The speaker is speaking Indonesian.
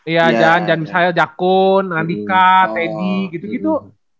iya jaan dan misalnya jakun nandika teddy gitu gitu